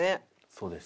そうです。